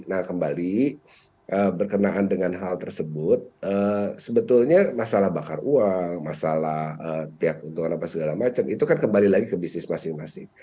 nah kembali berkenaan dengan hal tersebut sebetulnya masalah bakar uang masalah tiap untungan apa segala macam itu kan kembali lagi ke bisnis masing masing